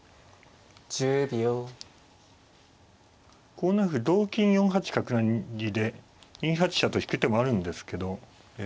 ５七歩同金４八角成で２八飛車と引く手もあるんですけど。